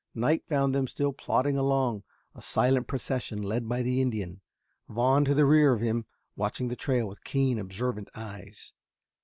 Night found them still plodding along, a silent procession, led by the Indian, Vaughn to the rear of him watching the trail with keen, observant eyes.